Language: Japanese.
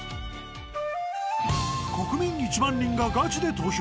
国民１万人がガチで投票！